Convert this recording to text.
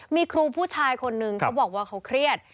มีครูผู้ชายคนนึงเขาบอกว่าเขาเครียด